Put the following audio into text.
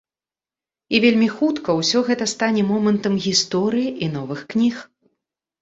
І вельмі хутка ўсё гэта стане момантам гісторыі і новых кніг.